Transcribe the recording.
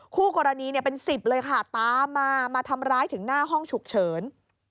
คู่กรณีเป็น๑๐เลยค่ะตามมามาทำร้ายถึงหน้าห้องฉุกเฉิน